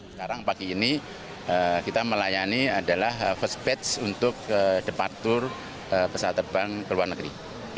sekarang pagi ini kita melayani adalah first page untuk departur pesawat terbang ke luar negeri